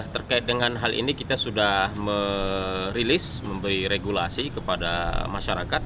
terkait dengan hal ini kita sudah merilis memberi regulasi kepada masyarakat